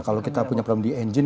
kalau kita punya problem di engine